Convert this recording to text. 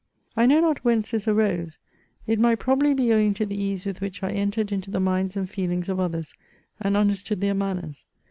I know not whence this arose ; it might probably be owing to the ease with which I entered into the minds and feelings of others, and understood their manners.